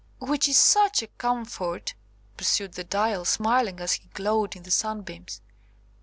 "Which is such a comfort," pursued the Dial, smiling as he glowed in the sunbeams.